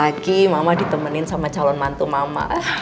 lagi mama ditemenin sama calon mantu mama